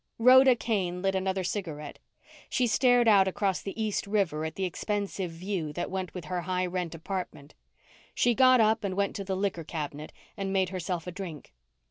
Rhoda Kane lit another cigarette. She stared out across the East River at the expensive view that went with her high rent apartment. She got up and went to the liquor cabinet and made herself a drink.